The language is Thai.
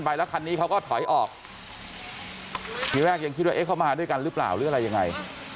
พี่แรกยังคิดว่าเขามายังไม่รู้ป่าวหรืออะไรยังไง